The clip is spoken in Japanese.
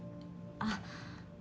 あっ。